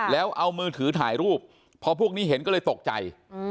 แล้วเอามือถือถ่ายรูปพอพวกนี้เห็นก็เลยตกใจ